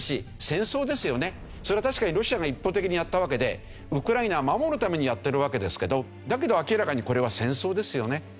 確かにロシアが一方的にやったわけでウクライナは守るためにやってるわけですけどだけど明らかにこれは戦争ですよね。